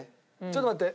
ちょっと待って。